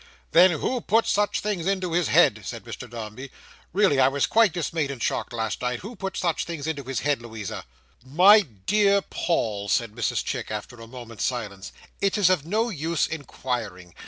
"Then who puts such things into his head?" said Mr Dombey. "Really I was quite dismayed and shocked last night. Who puts such things into his head, Louisa?" "My dear Paul," said Mrs Chick, after a moment's silence, "it is of no use inquiring.